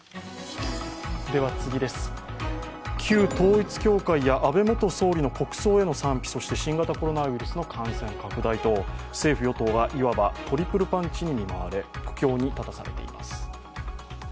旧統一教会や、安倍元総理の国葬への賛否そして新型コロナウイルスの感染拡大と政府・与党がいわばトリプルパンチに見舞われ、苦境に立たされています。